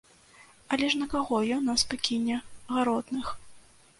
Але ж на каго ён нас пакіне, гаротных?